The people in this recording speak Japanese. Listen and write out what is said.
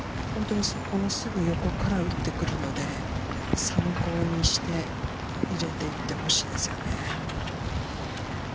そのすぐ横から打ってくるので、参考にして入れていってほしいですよね。